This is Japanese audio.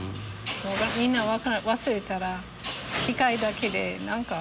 みんな忘れたら機械だけで何か。